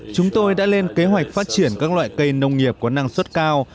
chúng tôi đã lên kế hoạch phát triển các loại cây nông nghiệp có năng suất cao